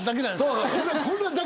そう。